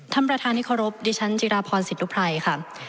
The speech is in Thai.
ท่านประธานที่เคารพดิฉันจิราพรสิทธุภัยค่ะ